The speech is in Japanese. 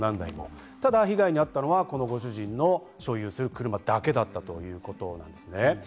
ただ、被害に遭ったのはこのご主人の所有する車だけだったということです。